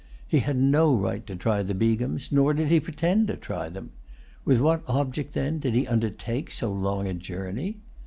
He had no right to try the Begums, nor did he pretend to try them. With what object, then, did he undertake so long a journey?